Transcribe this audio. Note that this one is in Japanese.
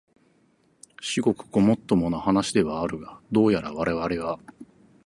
至極ごもっともな話ではあるが、どうやらわれわれは、